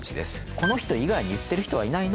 この人以外に言ってる人はいないの？